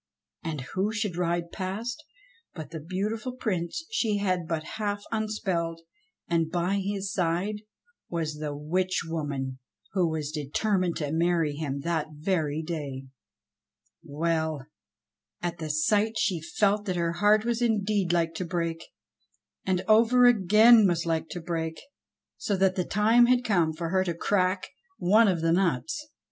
And who should ride past but the beautiful Prince she had but half unspelled, and by his side was the witch woman who was determined to marry him that very day. Well ! at the sight she felt that her heart was indeed like to break, and over again was like to break, so that the time had come for her to crack one of the nuts.